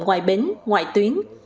ngoài bến ngoài tuyến